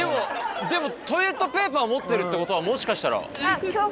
でもトイレットペーパー持ってるってことはもしかしたら。